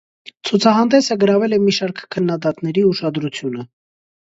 Ցուցահանդեսը գրավել է մի շարք քննադատների ուշադրությունը։